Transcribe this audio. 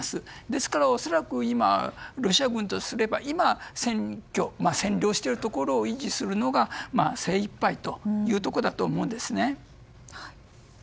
ですから恐らくロシア軍としては今、占領しているところを維持するのが精いっぱいというところだと思うんですね。